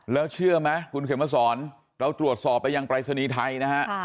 แล้วเชื่อไหมคุณเขียนมาสอนเราตรวจสอบไปยังปรายศนีย์ไทยนะฮะ